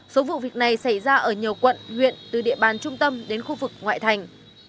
số vụ việc này xảy ra ở nhiều quận huyện từ địa bàn trung tâm đến khu vực ngoại thành